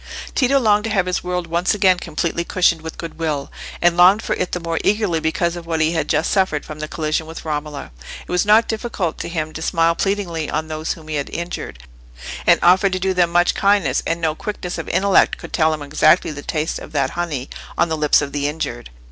Tito longed to have his world once again completely cushioned with goodwill, and longed for it the more eagerly because of what he had just suffered from the collision with Romola. It was not difficult to him to smile pleadingly on those whom he had injured, and offer to do them much kindness: and no quickness of intellect could tell him exactly the taste of that honey on the lips of the injured.